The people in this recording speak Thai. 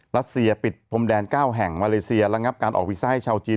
รัสเซียปิดพรมแดน๙แห่งมาเลเซียระงับการออกวีซ่าให้ชาวจีน